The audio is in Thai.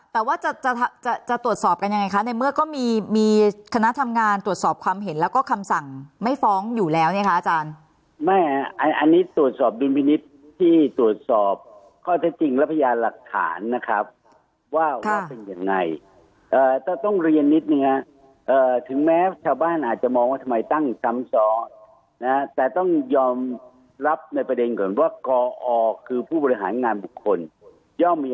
แต่ว่าจะตรวจสอบกันยังไงคะในเมื่อก็มีคณะทำงานตรวจสอบความเห็นแล้วก็คำสั่งไม่ฟ้องอยู่แล้วเนี่ยคะอาจารย์